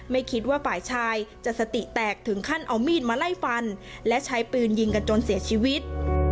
ไม่คิดว่าฝ่ายชายจะสติแตกถึงขั้นเอามีดมาไล่ฟันและใช้ปืนยิงกันจนเสียชีวิต